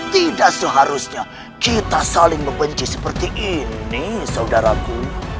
tidak seharusnya kita saling membenci seperti ini saudaraku